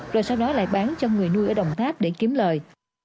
rồi sau đó lại bán cho người nuôi ở đồng tháp để kiếm lời